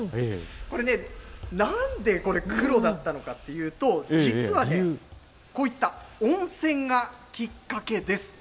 これね、なんでこれ、黒だったのかというと、実はね、こういった温泉がきっかけです。